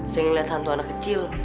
saya ngeliat hantu anak kecil